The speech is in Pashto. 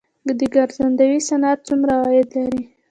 د ګرځندوی صنعت څومره عاید لري؟